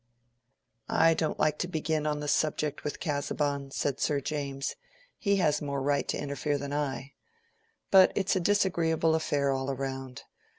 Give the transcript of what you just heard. "I don't like to begin on the subject with Casaubon," said Sir James. "He has more right to interfere than I. But it's a disagreeable affair all round.